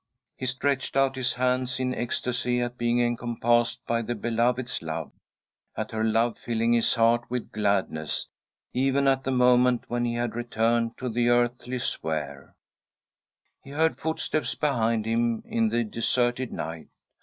He stretched out his hands in ecstasy at being encompassed by the beloved's, love, at her love filling, his heart with gladness even at the moment when he had returned to the earthly sphere. He heard footsteps behind him in the deserted night.